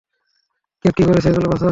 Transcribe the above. Cap, কী করছ এগুলো, বাছা?